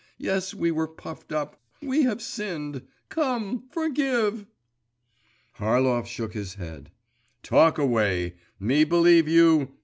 yes, we were puffed up, we have sinned; come, forgive!' Harlov shook his head. 'Talk away! Me believe you!